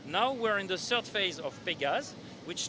sekarang kita berada di fase ketiga pegasus